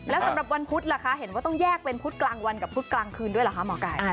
แล้วสำหรับวันพุธล่ะคะเห็นว่าต้องแยกเป็นพุธกลางวันกับพุธกลางคืนด้วยเหรอคะหมอไก่